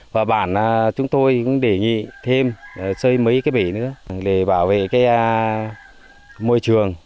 và bản chúng tôi cũng đề nghị thêm xây mấy cái bể nữa để bảo vệ cái môi trường